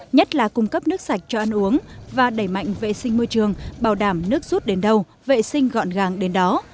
nhất là cung cấp nước sạch cho ăn uống và đẩy mạnh vệ sinh môi trường bảo đảm nước rút đến đâu vệ sinh gọn gàng đến đó